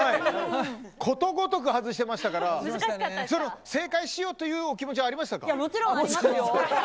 ことごとく外してましたから正解しようというお気持ちはありましたか。